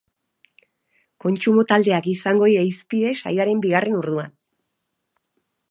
Kontsumo taldeak izango dira hizpide saioaren bigarren orduan.